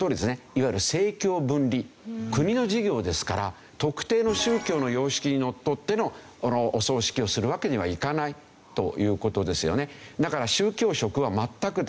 いわゆる政教分離国の事業ですから特定の宗教の様式に則ってのお葬式をするわけにはいかないという事ですよねだから。